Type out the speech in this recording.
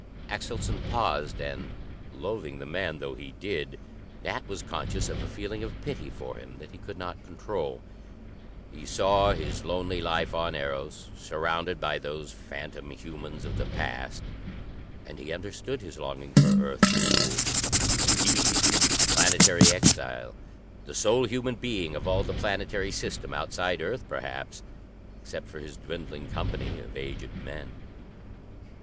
Axelson paused, and, loathing the man though he did, Nat was conscious of a feeling of pity for him that he could not control. He saw his lonely life on Eros, surrounded by those phantom humans of the past, and he understood his longing for Earth rule he the planetary exile, the sole human being of all the planetary system outside Earth, perhaps, except for his dwindling company of aged men.